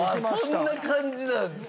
そんな感じなんですね。